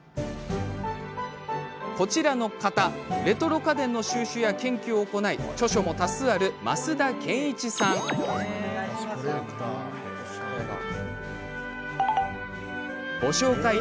こちらの方レトロ家電の収集や研究を行い著書も多数ある増田健一さんです。